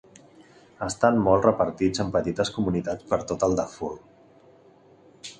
Estan molt repartits en petites comunitats per tot el Darfur.